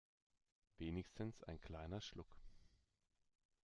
Wenigstens ein kleiner Schluck.